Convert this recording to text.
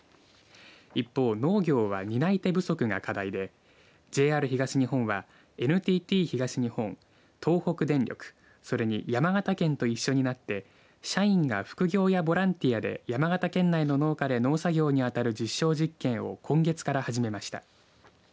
一方、農業は担い手不足が課題でＪＲ東日本はＮＴＴ東日本、東北電力それに山形県と一緒になって社員が副業やボランティアで山形県内の農家で農作業に当たる実証実験を今月から始めました。